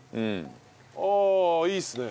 ああいいっすね。